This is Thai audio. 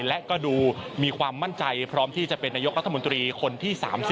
และก็ดูมีความมั่นใจพร้อมที่จะเป็นนายกรัฐมนตรีคนที่๓๐